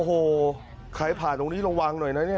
โอ้โหใครผ่านตรงนี้ระวังหน่อยนะเนี่ย